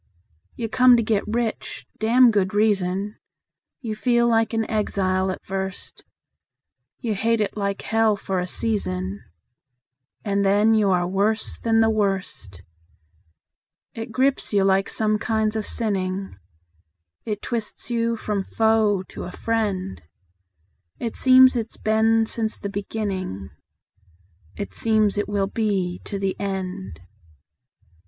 You come to get rich (damned good reason); You feel like an exile at first; You hate it like hell for a season, And then you are worse than the worst. It grips you like some kinds of sinning; It twists you from foe to a friend; It seems it's been since the beginning; It seems it will be to the end.